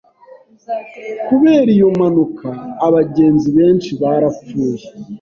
Kubera iyo mpanuka, abagenzi benshi barapfuye.